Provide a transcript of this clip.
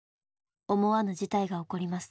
思わぬ事態が起こります。